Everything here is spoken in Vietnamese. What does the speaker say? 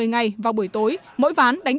một mươi ngày vào buổi tối mỗi ván đánh